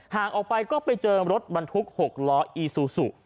ห่างออกไปก็ไปเจอรถบรรทุก๖ล้ออีซูซู